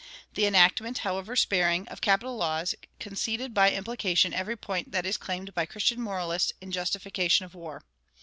The enactment, however sparing, of capital laws conceded by implication every point that is claimed by Christian moralists in justification of war.